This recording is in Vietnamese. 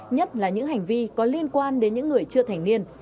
nhất là những hành vi có liên quan đến những người chưa thành niên